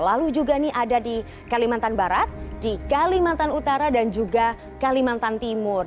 lalu juga nih ada di kalimantan barat di kalimantan utara dan juga kalimantan timur